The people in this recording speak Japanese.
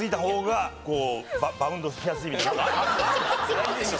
ないでしょ